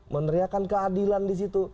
meneriakan keadilan disitu